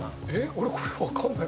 俺これ分かんない。